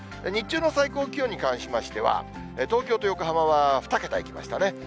日中の最高気温に関しましては、東京と横浜は２桁いきましたね。